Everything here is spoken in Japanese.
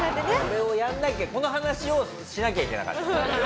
これをやらなきゃこの話をしなきゃいけなかった。